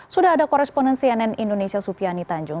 sudah ada koresponen cnn indonesia sufiani tanjung